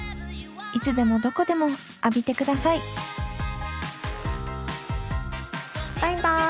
いつでもどこでも浴びてくださいバイバイ。